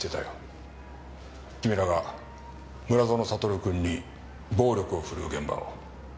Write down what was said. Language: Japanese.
君らが村園サトル君に暴力を振るう現場を。